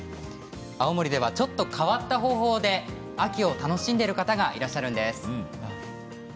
青森ではちょっと変わった方法で秋を楽しんでいる方がいらっしゃるんです。